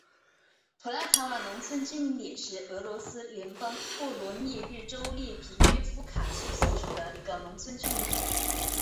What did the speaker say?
普拉塔瓦农村居民点是俄罗斯联邦沃罗涅日州列皮约夫卡区所属的一个农村居民点。